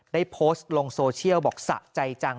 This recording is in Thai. ได้โพสต์ลงโซเชียลบอกสะใจจัง